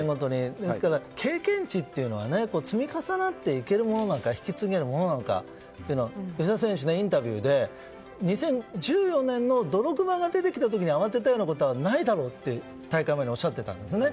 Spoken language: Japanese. ですから経験値ってのは積み重なっていけるものなのか引き継げるものなのかというのを。というのは吉田選手のインタビューで２０１４年ドログバが出てきた時より慌てたようなことはないだろうと大会前におっしゃっていたんですよね。